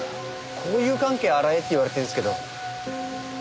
交友関係を洗えって言われてるんですけど。